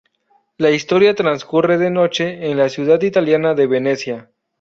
La historia transcurre de noche, en la ciudad italiana de Venecia.